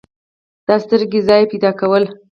دا ستوګنې ځاے پېدا كول